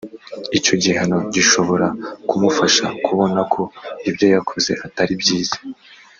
icyo gihano gishobora kumufasha kubona ko ibyo yakoze atari byiza